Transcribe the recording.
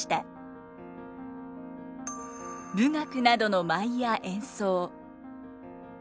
舞楽などの舞や演奏。